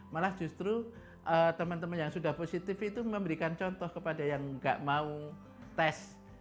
malah justru teman teman yang sudah positif itu memberikan contoh kepada yang nggak mau tes